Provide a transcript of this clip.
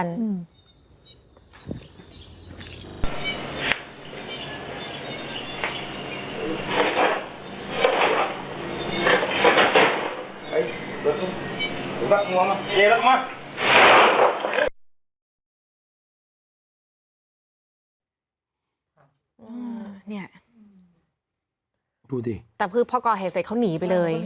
เนี้ยพูดดิแต่คือพ่อกอเหตุเสร็จเขาหนีไปเลย